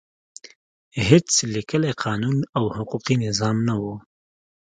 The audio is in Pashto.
هېڅ لیکلی قانون او حقوقي نظام نه و.